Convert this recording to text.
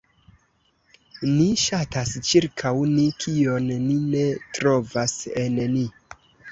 Ni ŝatas ĉirkaŭ ni, kion ni ne trovas en ni.